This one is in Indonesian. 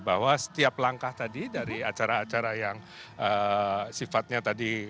bahwa setiap langkah tadi dari acara acara yang sifatnya tadi